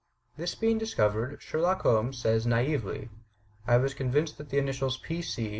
This being discovered, Sherlock Holmes says naively, "I was con vinced that the initials P. C.